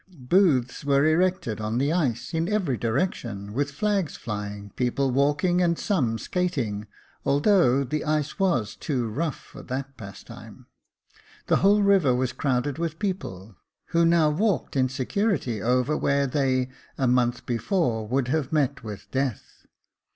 Booths were erected on the ice, in every direc tion, with flags flying, people walking, and some skating, although the ice was too rough for that pastime. The whole river was crowded with people, who now walked in security over where they a month before would have met with death.